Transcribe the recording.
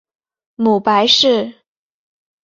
母白氏。